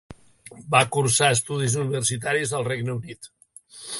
Va cursar estudis universitaris al Regne Unit.